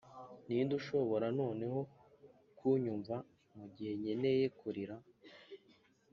ninde ushobora noneho kunyumva mugihe nkeneye kurira?